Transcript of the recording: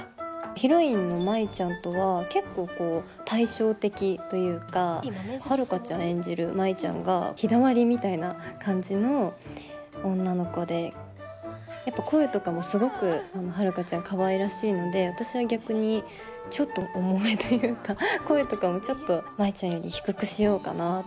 ヒロインの舞ちゃんとは結構対照的というか遥ちゃん演じる舞ちゃんが日だまりみたいな感じの女の子でやっぱ声とかもすごく遥ちゃんかわいらしいので私は逆にちょっと重めというか声とかもちょっと舞ちゃんより低くしようかなとか。